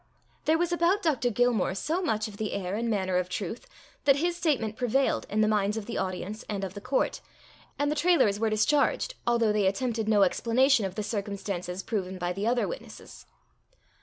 There was about Dr. Gilmore so much of the air and manner of truth, that his statement prevailed in the minds of the audience and of the court, and the Trailors were discharged, although they attempted no explanation of the circumstances proven by the other witnesses.